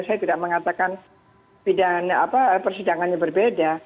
saya tidak mengatakan persidangannya berbeda